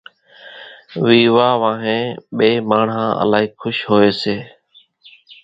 ويوا انۿين ٻيئيَ ماڻۿان الائِي کُش هوئيَ سي۔